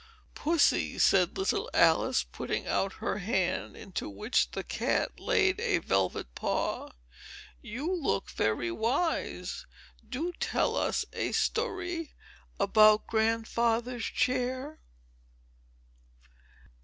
"Pussy," said little Alice, putting out her hand, into which the cat laid a velvet paw, "you look very wise. Do tell us a story about GRANDFATHER'S CHAIR!"